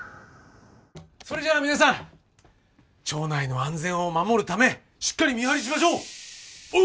それじゃあ皆さん町内の安全を守るためしっかり見張りしましょう！